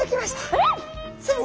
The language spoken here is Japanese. えっ！